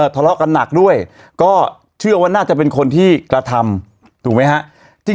ทะเลาะกันหนักด้วยก็เชื่อว่าน่าจะเป็นคนที่กระทำถูกไหมฮะ